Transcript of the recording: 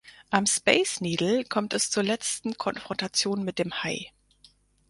Am Space Needle kommt es zur letzten Konfrontation mit dem Hai.